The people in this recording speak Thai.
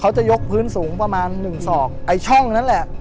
เขาจะยกพื้นสูงประมาณ๑๒ไอ้ช่องนั้นแหละ